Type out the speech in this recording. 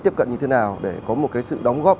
tiếp cận như thế nào để có một cái sự đóng góp